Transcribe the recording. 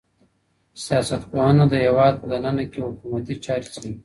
سياستپوهنه د هيواد په دننه کي حکومتي چاري څېړي.